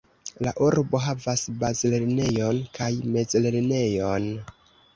La urbo havas bazlernejon kaj mezlernejon.